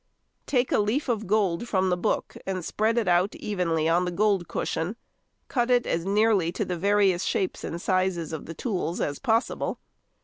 Take a leaf of gold from the book and spread it out evenly on the gold cushion; cut it as nearly to the various shapes and sizes of the tools as possible.